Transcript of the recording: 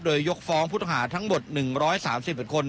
โดยยกฟ้องพุทธหาทั้งหมด๑๓๗คน